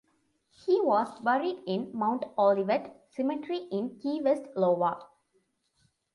He was buried in Mount Olivet Cemetery in Key West, Iowa.